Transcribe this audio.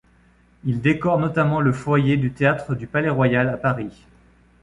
Il décore notamment le foyer du théâtre du Palais-Royal à Paris.